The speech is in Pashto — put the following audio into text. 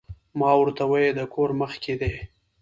ما ورته ووې د کور مخ کښې دې